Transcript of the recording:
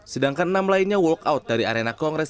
sedangkan enam lainnya walk out dari arena kongres